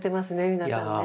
皆さんね。